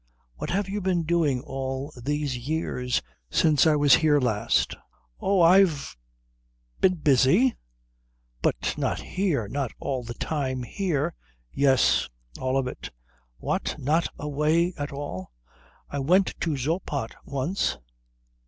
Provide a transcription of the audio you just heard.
What have you been doing all these years, since I was here last?" "Oh, I've been busy." "But not here? Not all the time here?" "Yes, all of it." "What, not away at all?" "I went to Zoppot once."